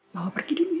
mama pergi dulu ya